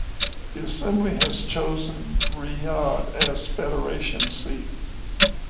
The assembly has chosen Riyadh as federation seat.